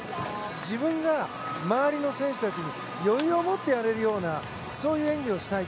自分が周りの選手たちに余裕をもってやれるようなそういう演技をしたい。